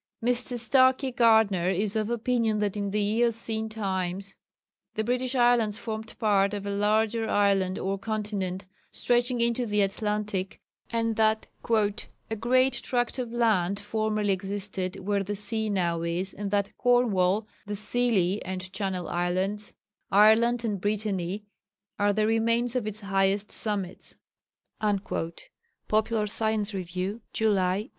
Mr. Starkie Gardner is of opinion that in the Eocene times the British Islands formed part of a larger island or continent stretching into the Atlantic, and "that a great tract of land formerly existed where the sea now is, and that Cornwall, the Scilly and Channel Islands, Ireland and Brittany are the remains of its highest summits" (Pop. Sc. Review, July, 1878).